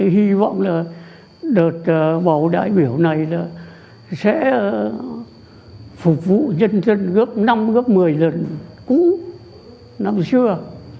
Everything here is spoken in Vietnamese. hy vọng là đợt bầu đại biểu này là sẽ phục vụ dân dân gấp năm gấp một mươi lần cũ năm xưa